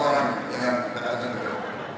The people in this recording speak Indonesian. uhur yang berkati